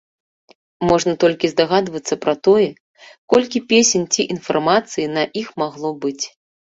Можна толькі здагадвацца пра тое, колькі песень ці інфармацыі на іх магло быць.